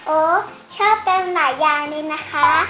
โอ้ชอบเต็มหลายอย่างเลยนะคะ